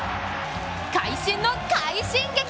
会心の快進撃！